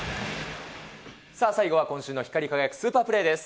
さあ、最後は今週の光輝くスーパープレーです。